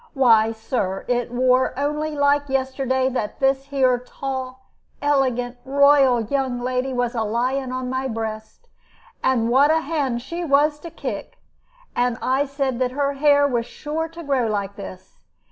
Why, Sir, it wore only like yesterday that this here tall, elegant, royal young lady was a lying on my breast, and what a hand she was to kick! And I said that her hair was sure to grow like this.